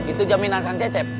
itu jaminan kang cecep